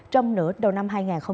trong nửa đầu năm hai nghìn hai mươi ba